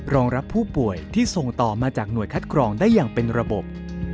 รองรับผู้ป่วยที่ส่งต่อมาจากหน่วยคัดกรองได้อย่างเป็นระบบ